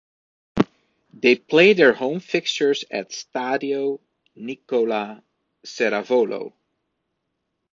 They play their home fixtures at the Stadio Nicola Ceravolo.